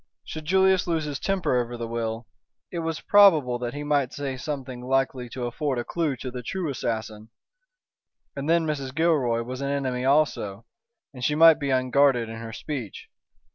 Should Julius lose his temper over the will, it was probable that he might say something likely to afford a clue to the true assassin. And then Mrs. Gilroy was an enemy also, and she might be unguarded in her speech.